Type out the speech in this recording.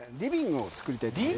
つくりたいと思います。